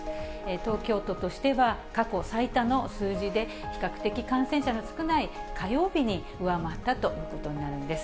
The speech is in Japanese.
東京都としては、過去最多の数字で、比較的感染者の少ない火曜日に上回ったということになるんです。